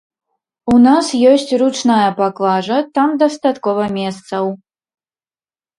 У нас ёсць ручная паклажа, там дастаткова месцаў.